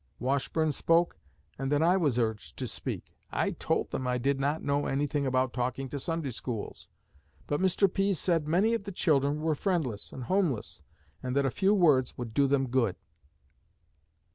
Washburne spoke, and then I was urged to speak. I told them I did not know anything about talking to Sunday Schools, but Mr. Pease said many of the children were friendless and homeless, and that a few words would do them good.